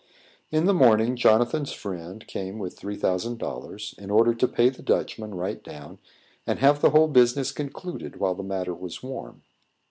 In the morning, Jonathan's friend came with three thousand dollars, in order to pay the Dutchman right down, and have the whole business concluded while the matter was warm.